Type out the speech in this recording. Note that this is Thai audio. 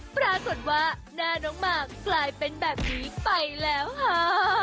ปรากฏว่าหน้าน้องหมากกลายเป็นแบบนี้ไปแล้วค่ะ